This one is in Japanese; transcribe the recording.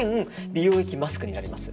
美容液マスクになります。